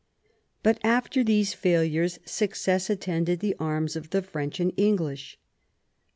But after these failures success attended the arms of the French and English.